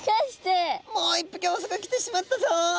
もう一匹オスが来てしまったぞ。